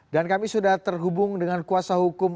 dan kami sudah terhubung dengan kuasa hukum